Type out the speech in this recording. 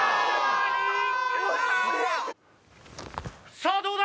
さあどうだ？